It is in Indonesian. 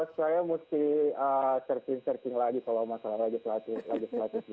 saya mesti searching searching lagi kalau masalahnya lagi selesai